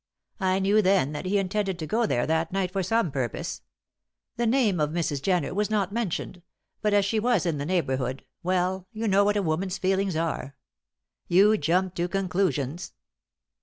I knew then that he intended to go there that night for some purpose. The name of Mrs. Jenner was not mentioned; but as she was in the neighbourhood well, you know what a woman's feelings are!" "You jumped to conclusions?"